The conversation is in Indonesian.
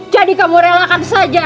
jadi kamu rela kan saja